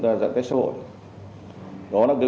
cái xe này